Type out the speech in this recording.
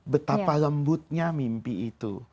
betapa lembutnya mimpi itu